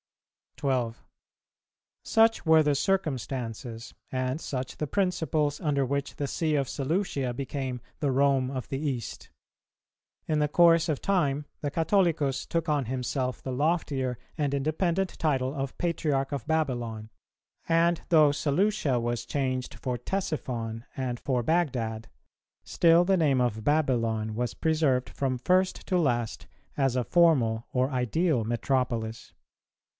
12. Such were the circumstances, and such the principles, under which the See of Seleucia became the Rome of the East. In the course of time the Catholicus took on himself the loftier and independent title of Patriarch of Babylon; and though Seleucia was changed for Ctesiphon and for Bagdad,[296:1] still the name of Babylon was preserved from first to last as a formal or ideal Metropolis.